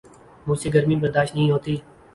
مجھ سے گرمی برداشت نہیں ہوتی